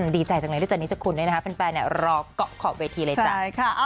ดีใจจังเลยด้วยจันนี้จับคุณด้วยนะคะแฟนรอก็ขอบเวทีเลยจ้ะ